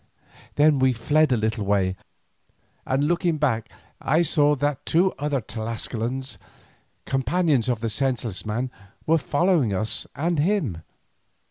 Then we fled a little way, and looking back I saw that two other Tlascalans, companions of the senseless man, were following us and him.